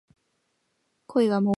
恋は盲目